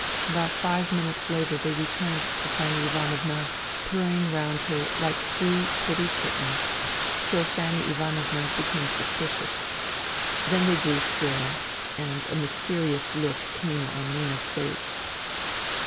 About five minutes later they returned to Fanny Ivanovna, purring round her like three pretty kittens, till Fanny Ivanovna became suspicious. Then they grew still, and a mysterious look came on Nina's face.